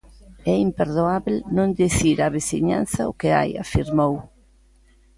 "É imperdoábel non dicir á veciñanza o que hai", afirmou.